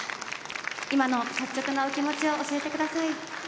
今の率直なお気持ちを教えてください。